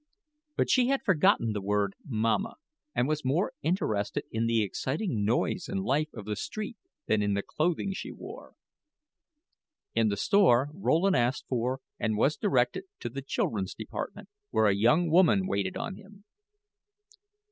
But she had forgotten the word "mamma," and was more interested in the exciting noise and life of the street than in the clothing she wore. In the store, Rowland asked for, and was directed to the children's department, where a young woman waited on him.